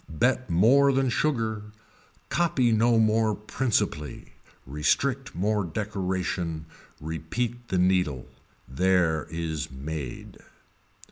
Bet more than sugar, copy no more principally, restrict more decoration, repeat the needle. There is made.